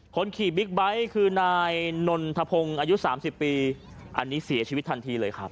คนขี่บิ๊กไบท์คือนายนนทพงศ์อายุ๓๐ปีอันนี้เสียชีวิตทันทีเลยครับ